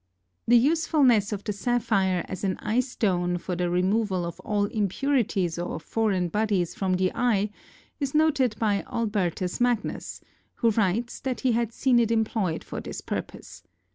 The usefulness of the sapphire as an eyestone for the removal of all impurities or foreign bodies from the eye is noted by Albertus Magnus, who writes that he had seen it employed for this purpose.